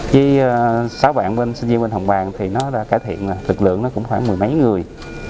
với sáu bạn bên sinh viên bên hồng bàng thì nó đã cải thiện thực lượng nó cũng khoảng mười mấy người